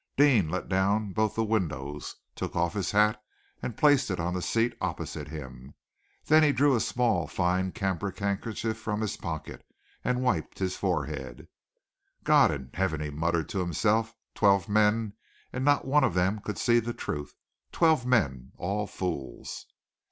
Deane let down both the windows, took off his hat and placed it on the seat opposite him. Then he drew a small fine cambric handkerchief from his pocket, and wiped his forehead. "God in Heaven!" he muttered to himself. "Twelve men, and not one of them could see the truth. Twelve men, all fools!"